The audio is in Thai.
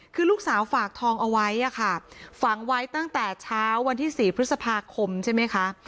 คือลูกสาวฝากทองเอาไว้ค่ะฝังไว้ตั้งแต่เช้าวันที่๔พฤษภาคมใช่ไหมคะ